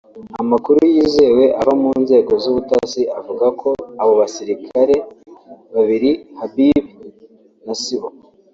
Amakuru yizewe ava mu nzego z’ubutasi avuga ko abo basirikare babiri Habib na Sibo